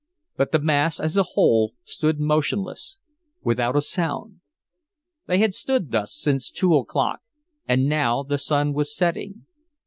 But the mass as a whole stood motionless, without a sound. They had stood thus since two o'clock, and now the sun was setting.